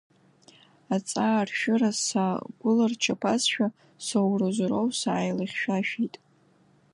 Аҵааршәыра сагәыларчаԥазшәа соуразоуроу сааилахьшәашәеит.